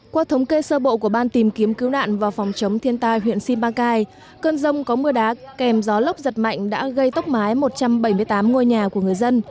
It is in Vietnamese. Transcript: qua thống kê sơ bộ của ban tìm kiếm cứu nạn và phòng chống thiên tai huyện simacai cơn rông có mưa đá kèm gió lấp giật mạnh đã gây tốc mái một trăm bảy mươi bốn đô la mỹ